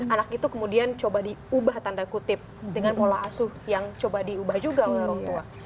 anak itu kemudian coba diubah tanda kutip dengan pola asuh yang coba diubah juga oleh orang tua